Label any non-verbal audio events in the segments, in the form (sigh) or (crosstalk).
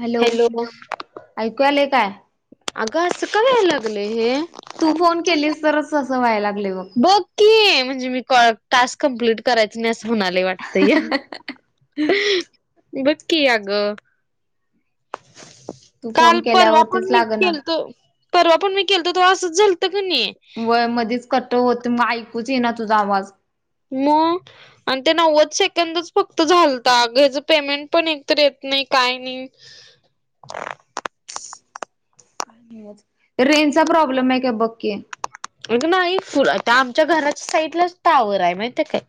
Hello ऐकू आले काय. आ ग असं का व्हायला लागले हे. तू फोन केलीस तरच असं व्हाय लाग बघ. बघकी म्हणजे मी कॉ टास्क कमप्लीट करायच नाही असं म्हणाला वाटत या. बकी आग. तू फोन काल परवा पण केल्यावरतीच मी लाग ना केलतो परवा पण मी केलतो तेवा असंच झालतं क नाही. होय मध्येच कट होत मग ऐकूच ये ना तुझा आवाज. म आणि ते नव्वद सेकंदच फक्त झालता ग घ्याचं पेमेंट पण एकत येत नाही काही नाही. ही, रेंनचा प्रॉब्लेम आहे का बकी. ए नाही फुल त्या आमच्या घराच्या साईडलाच टावर आहे माहिते काय.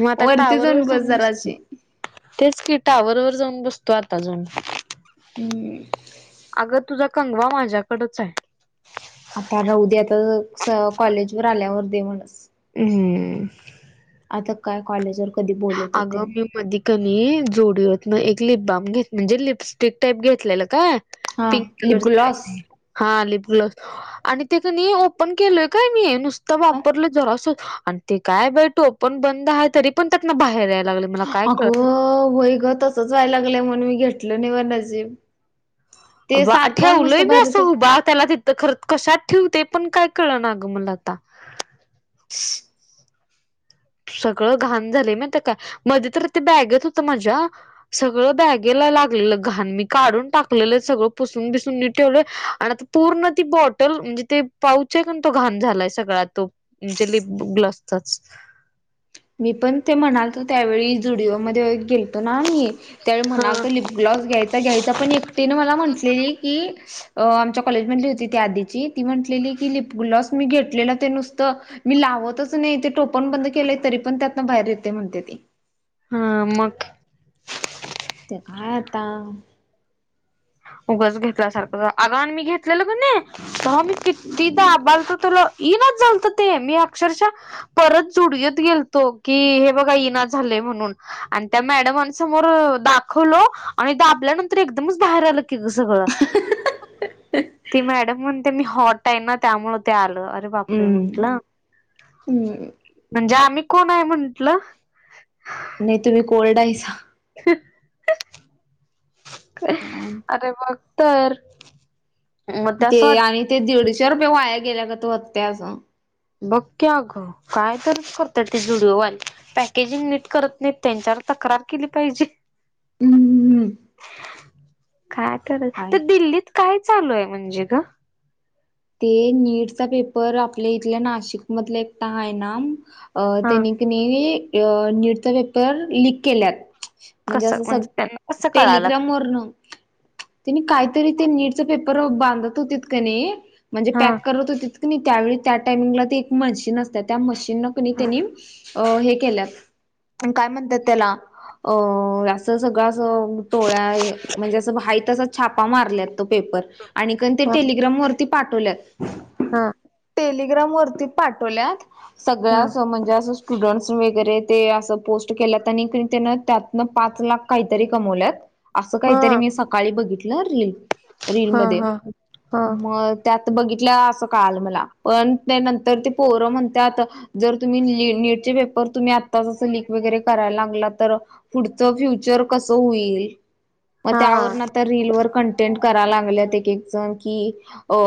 मग आता टावर जाऊन बस. तेच की टावरवर जाऊन बसतो आता अजून. हम. अगं तुझा कंगवा माझ्याकडच आहे. आता राह दे आता स कॉलेज वर आल्यावर दे म्हणस. हम. आता काय कॉलेजवर. कधी बोलल. आगं मी पधिक. कनी जोडी होत ना एक लिप बम घेत म्हणजे लिपस्टिक टाईप घेतलेलं काय. हा पिंक कलरचा आहे लिपग्लॉस ते. हा लिप ग्लो आणि तेमी ओपन केलय काय मी नुसत. त वापरलं जरास आणि ते काय टोपण बंद आहे तरी पण त्यातना बाहेर यायला लागल. अगं वय ग तसच वयला लागलंय म्हणून मी घेतलं नाही माझं नशीब. बा ठेवलोय मी असं हो बा त्याला त तर खर कशात ठेवते पण काय कळ ना अ गं मला आता. सगळं घाण झालंय म्हणत काय मध्ये तर ते बॅगेत होत माझ्या सगळं बॅगेला लागलेलं घाण मी काढून टाकलेलं सगळं पुसून बिसून मी ठेवलंय आणि आ पूर्ण ती बॉटल म्हणजे ते पाऊच आहे काण तो घाण झालाय सगळा तो म्हणजे लिप गल असतच. मी पण ते म्हणालत त्यावेळी जुडिओमध्ये गेलतो ना मी त्यावेळी हा म्हणालत लि ग्लावज घ्यायचा घ्यायचा पण एकटीने मला म्हटलेली की अ आमच्या कॉलेजमधली होती त्या आधीची ती म्हंटलेली की लिपग्लॉस मी घेतलेलं ते नुसतं मी लावतच नाही ते टोपण बंद केलंय तरी पण त्यातनं बाहेर येते म्हणते ती. हा मग, ते काय आता उगच घेतल्यासारखं आराम मी घेत लं गण स मी किती दा बलत त इनच लत ते मी अक्षरशः परत जुड यत गेलतो की हे बघा इना झालय म्हणून. आणि त्या मॅडमान समोर दाखवल आणि दाबल्यानंतर एकदमच बाहेर आला तिथे सगळं ते मॅडम म्हणते मी ह नाही ना त्यामुळ ते आलं अरे बापरे हम्म म्हटलं. हम्म म्हणजे आम्ही कोण आहे म्हटल नाही तुम्ही कोल्ड आहयसा. अरे बघ तर मग त्या ते असं वाट आणि ते दीडशे रुपये वाया गेल्या का त होत्त्या असं. बघ की अगं काय तरच करतते जुडिओवाली. पॅकेजिंग नीट करत नाहीत त्यांच्यावर तक्रार केली पाहिजे. हम्म म काय कराव हाय. ते दिल्लीत काय चालू आहे म्हणजे ग? ते नीटचा पेपर आपल्या इथल्या नाशिक मधला एकटा आहे ना हा त्यांनी त्यानी नीट चा पेपर लिक केल्यात. म्हणजे कसं असं सगळ त्यांना कसं कळालं टेलिग्राम वरन त्यानी काहीतरी ते नीटच पेपर बांधत होती का नाही म्हणजे हा पॅक करत होती त्यावेळी त्या टाइमिंगला एक मशीन असत त्या मशीन कणी त्यांनी अ हे केल्यात काय म्हणतात त्याला अ असं सगळं अस टोळ्या म्हणजे असं हायी तस छापा मारल्यात तो पेपर. आणि पण ते हा टेलिग्राम वरती पाठवल्यात. हा. टेलिग्राम वरती पाठवल्यात हा सगळ् म्हणजे असं स्टुडंट्स वगैरे ते असं पोस्ट केल्यात आणि त्यान त्यातनं पाच लाख काहीतरी कमवल्यात. असं हा काहीतरी मी सकाळी बघितलं रील रील हा मध्ये हा हा मग त्यात बघितल्या अस काल मला पण त्या नंतर ते पोरं म्हणतात जर तुम्ही नीटचे पेपर तुम्ही आताचं लिक वगैरे करायला लागला तर पुढचं फ्युचर कसं होईल? मग हा त्यावर ना तर रीलवर कंटेंट करायला लागलेत एक एक जण कि अ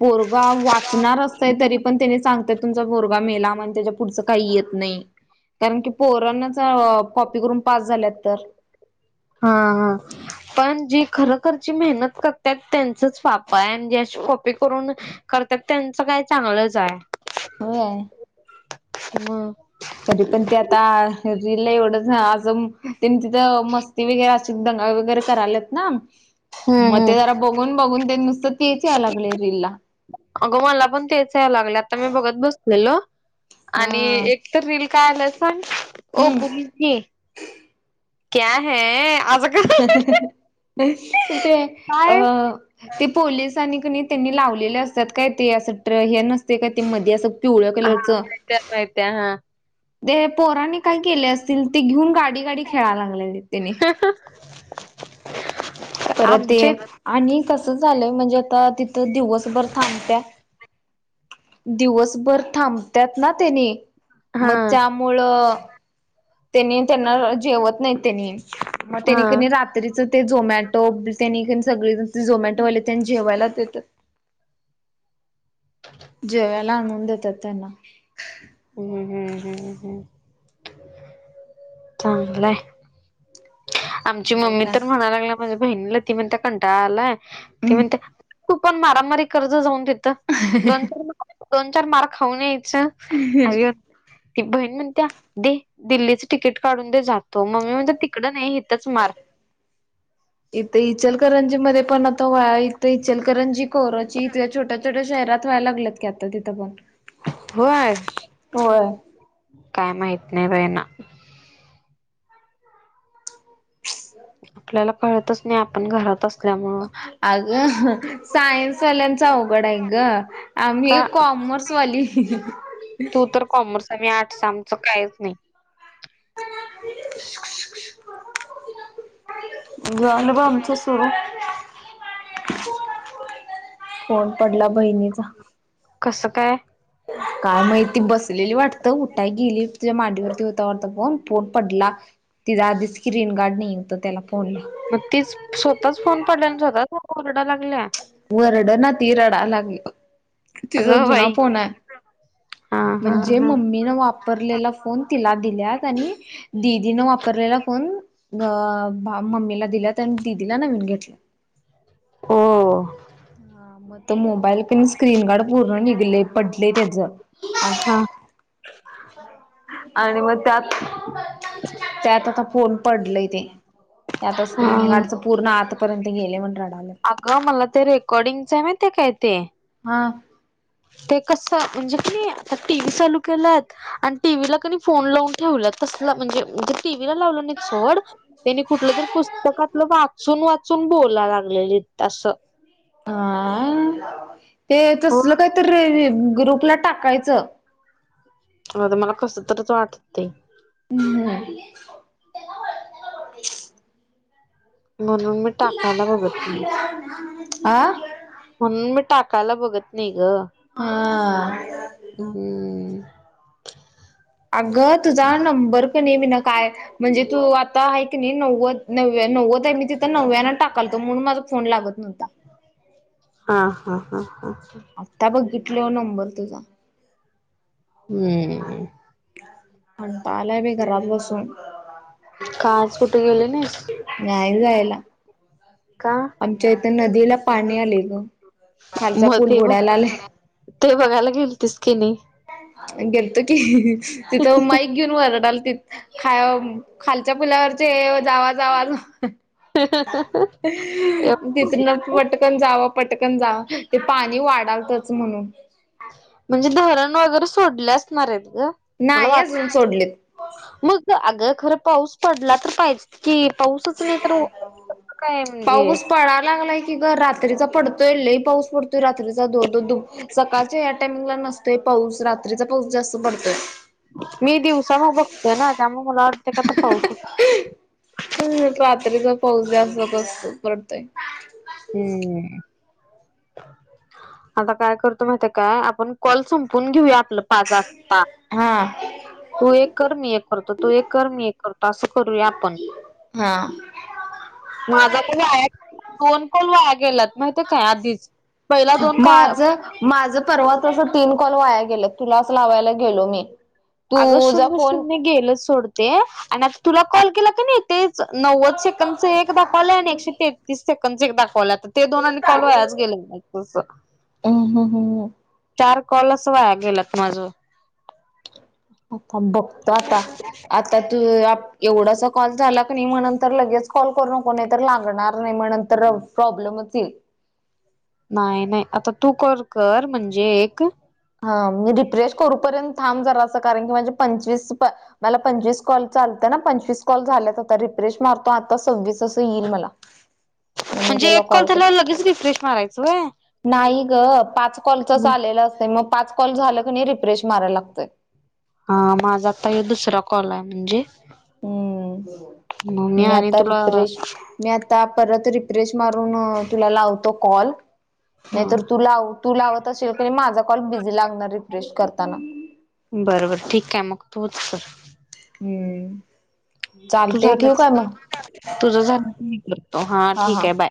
पोरगा वाचणार असतेय तरी पण त्यानी सांगत तुमचा पोरगा मेला म्हणे पुढ काही येत नाही कारण की पोराना कॉपी करून पास झाल्या तर. हा हा पण जी खरोखरची मेहनत करतात त्यांचच पाप आहे आणि जि अशी कॉपी करून- करतात त्यांचं काय चांगलंच आहे. व्हय. मग तरी पण ते आता रीलल एवढंच आजून तिथं मस्त- ते वगैरे अस दंगा वगैरे करायलेत ना- हम्म मग ते हम्म जरा बघून, बघून ते नुसतं तेच यायला लागले रीलला- अगं मला पण तेच याय लागले, आता मी बघत बसलेलो आणि हा एक- तर रील काय आला सांग हम्म (unintelligible) पुलीसनी क्या है आस- (unintelligible) ह ह ह... (unintelligible) ते काय अ- ते पोलिसानी कणी त्यांनी लावलेले असतात काय, ते असं ट हे नसते काय ते मध्ये असं- पिवळ्या हा कलरचं- (unintelligible) ते पोराने काय केले असतील, ते घेऊन गाडी, गाडी खेळायला लागलेले त्येनी. ह हा... (unintelligible) परत ते आणि कसं झालंय म्हणजे, आता तिथं दिवसभर थांबत्या- दिवसभर थांबतात ना त्येनी हा मग त्यामुळं- त्येनी त्यांना जेवत नाही त्येनी, मग हा त्येनी कधी राञ- रात्रीच ते झोमॅटो त्यांनी सगळे झोमॅटोवाले त्यांनी जेवायला देतात- (inaudible) जेवायला आणुन देतात त्यांना. हम्म हम्म हम् हम्. चांगलं हाय, आमची चांगलाय मम्मी का तर म्हणायला लागल्या- माझ्या बहिणीला ती म्हणत कंटाळा आलाय ती म्हणते, हम्म तु पण मारामारी कर जा जाऊन तिथं. दोन, चार, मार दोन, चार मार खाऊन यायचं- ती बहीण म्हणत्या, दे दिल्लीच तिकीट. काढून दे जातो मम्मी म्हणत्या, तिकडं नाही हिथच मार. इथे इचलकरंजी मध्ये पण आता व्हाय, इथं इचलकरंजीत- कोरोची इ (unintelligible) छोट्या, छोट्या शहरात व्हायला लागल्यात की, आता तिथं पण. होय? होय. काय माहीत नाही बाई ना. आपल्याला कळतचं नाही, आपण घरात असल्यामुळे. अगं सायन्स वालेंच अवघ- अवघड हाय गं, आम्ही का एक कॉमर्स वाली. तू तर कॉमर्स- मी (unintelligible) आठ आमचं काहीच नाही. (unintelligible) झालं बा आमचं सुरू. फोन पडला, बहिणीचा. कसं काय? काय माहिती, बसलेली वाटतं उठायला गेली, तिच्या मांडीवरती होता वाटता, फोन पडला. तीच आधीच स्क्रीन गार्ड नाही तिला फोनला. मग ती स्वतःच फोन पडल्या आणि स्वतःच (unintelligible) ओरडायला लागल्या. ओरडणा ती रडायला लागल्या, तिचा अगं जुना बाई फोन आहे. हा हा म्हणजे, हा मम्मी न वापरलेला फोन तिला दिल्यातं आणि- दिदीनं वापरलेला फोन मम्मीला दिला आणि दिदीला नवीन घेतला. हो, हा मग तो मोबाईल पण स्क्रीन गार्ड पूर्ण निघले पडले त्याचं. हा आणि मग त्यात आता फोन पडलयं ते आता स्क्रीन हा गार्ड पूर्ण आतपर्यंत गेले म्हणू रडायलात. अगं मला ते रेकॉर्डिंगचं माहिती नाही काय ते? हा, ते कसं म्हणजे क आता टीव्ही चालू केलंत आणि टीव्हीला कि नाय फोन लावून ठेवलं तसला म्हणजे टीव्ही लावलं नाही. सोड त्यांनी कुठलं तरी पुस्तकातलं वाचून वाचून बोलाय लागलेले असं. हा ते हो तसलं काहीतरी ग्रुपला टाकायच मला कसं तरच वाटतंय. हम्म, म्हणून मी टाकायला बघतं नाही. आं, (inaudible) म्हणून मी टाकायला बघत नाही गं. आ. हम्म. अगं तुझा नंबर कणी (inaudible) हमी ना काय म्हणजे तू आता आहे क नाही नव्वद नव्वद आहे मी तिथं नव्यानं टाकला म्हणून माझा फोन लागत नव्हता. हां, हां, हां, हां. आता बघितल्यावर नंबर तुझा. हम्म.. कंटाळा आला बाई घरात बसून. का आज कुठे गेले नाहीस बाहेर जायला. का आमच्या इथं नदीला पाणी आले गं खालचा मग पूल ते बघ बुडायला आलाय ते बघायला गेल तिसकी नाही? गेलतो कि तिथं माहीत अनखी ओरडाल ते खालच्या पुलावरचे जावा, जावा तिथनं पटकन जाव पटकन जाव ते पाणी वाढतंच म्हणून. म्हणजे धरण वगैरे सोडले असणार आहेत ग मला नाही वाटलं अजून मा सोडलेत मग अग खर पाऊस पडला तर पाहिजेत की पाऊसच नाही तर काय म्हणजे पळा लागलाय की ग रात्रीचा पडतोय लय पाऊस पडतोय रात्रीचा धो, धो, धो दु सकाळच्या या टायमिंगला नसतोय पाऊस रात्रीचा पाऊस जास्त पडतोय. मी दिवसा मग बघतोय ना त्यामुळे मला वाटते का पाऊस ह रात्रीचा पाऊस जास्त अस पडतंय. हम्म.. आता काय करतो माहित का आपण कॉल संपून घेऊया आपलं पाच आता (inaudible) हा.. तू एक कर, मी एक करतो, तू एक कर, मी एक करतो असं करूया आपण. हा.. माझा का (inaudible) वाया दोन काॅल वाया गेलत. माझ माझं परवा तंस तीन कॉल वाया गेलं तुलाच लावायला गेलो मी. अगं तुझा शून्य फोन शून्य गेलं सोडते आणि आता तुला कॉल केला कानी तेच नव्वद सेकंदच एक दाखवालय आणि एकशे तेतीस सेकंदच एक दाखवालय ते दोन आणि कॉल वायाच गेल (unintelligible) तस. हम्म हम्म हम्म चार कॉल अस वया गेल्यात माझं. थांब बघतो आता, आत त्यातु अप ए, वढासा कॉल झाला कनी म नंतर लगेच कॉल करू नको नाही तर लागणार नाही म नंतरन प्रॉब्लेमच ईल. नाही नाही आता तू कर कर म्हणजे एक हा मी रिफ्रेश करूपर्यंत थांब जरासं कारण की माझे पंचवीस प मला पंचवीस कॉल चालत न पंचवीस कॉल झाल्यात आता रिफ्रेश मारतो आता सव्वीस तो येईल मला, मी म्हणजे तुला एक कॉल कर झाल्यावर लगेच रिफ्रेश मारायचं व्हय नाही ग पाच कॉलच आलेलं असतंय मग पाच कॉल झालं कनी रिफ्रेश माराय लागतय. हा माझा आता हे दुसरा कॉल आहे म्हणजे हम्म म मी आणि आता तुला रिफ्रेश मी आता परत रिफ्रेश मारून तुला लावतो कॉल, नाहीतर तू लाव. तू लावत अशील कनी माझा कॉल बिझी लागणार रिफ्रेश करताना. बर बर ठीक आहे मग तू च कर. हम्म. तू चालते ठेवू झालंच, काय मग तुझ झालं की मी करतो हा ठीक आहे बाय.